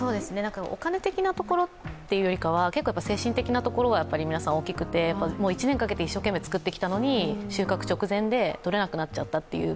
お金的なところというよりかは、精神的なところが皆さん大きくて、１年かけて一生懸命作ってきたのに収穫直前で取れなくなってしまったと。